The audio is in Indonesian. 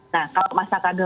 nah kalau masa keadaan